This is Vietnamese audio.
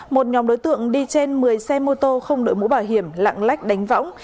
một nhóm đối tượng đi trên một mươi xe mô tô không đội mũ bảo hiểm lạng lách đánh võng